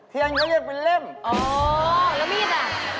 เทียนเขาเรียกเป็นเล่มอ๋อแล้วมีดอ่ะ